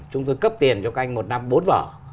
chúng tôi cấp tiền cho các anh một năm bốn vở